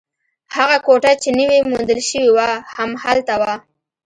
هغه کوټه چې نوې موندل شوې وه، هم هلته وه.